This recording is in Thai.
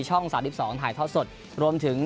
๓๒ถ่ายทอดสดรวมถึง